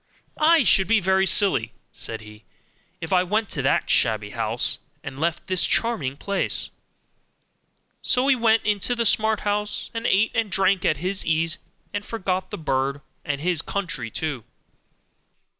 'I should be very silly,' said he, 'if I went to that shabby house, and left this charming place'; so he went into the smart house, and ate and drank at his ease, and forgot the bird, and his country too.